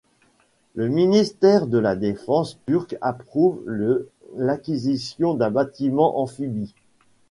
Le ministère de la Défense turc approuve le l'acquisition d'un bâtiment amphibie.